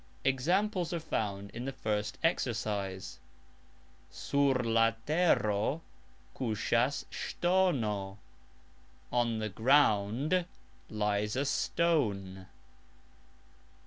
Examples are found in the first exercise: "Sur la tero" kusxas sxtono, "On the ground" lies a stone.